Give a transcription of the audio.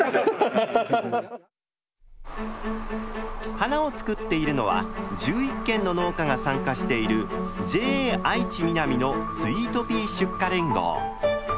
花を作っているのは１１軒の農家が参加しているＪＡ愛知みなみのスイートピー出荷連合。